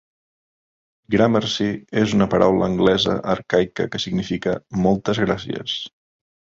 "Gramercy" és una paraula anglesa arcaica que significa "moltes gràcies".